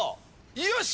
よし！